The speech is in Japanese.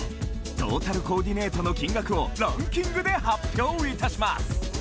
トータルコーディネートの金額をランキングで発表いたします！